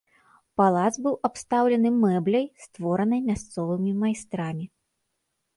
Палац быў абстаўлены мэбляй, створанай мясцовымі майстрамі.